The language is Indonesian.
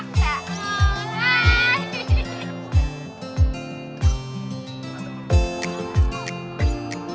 halo ada yang nolak gak